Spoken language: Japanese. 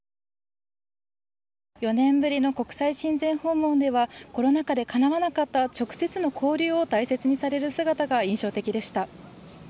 ４年ぶりの国際親善訪問では、コロナ禍でかなわなかった直接の交流を大切にされる姿が印象的でした。